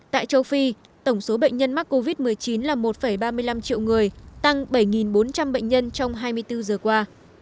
tại châu phi tổng số bệnh nhân mắc covid một mươi chín là một ba mươi năm triệu người tăng bảy bốn trăm linh bệnh nhân trong hai mươi bốn giờ qua